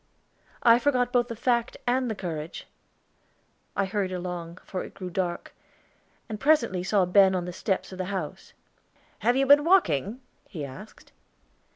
"I forgot both the fact and the courage." I hurried along, for it grew dark, and presently saw Ben on the steps of the house. "Have you been walking?" he asked.